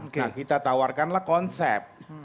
nah kita tawarkanlah konsep